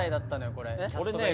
これ。